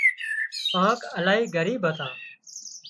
ڪانڪ الاهي ڳريٻ هتان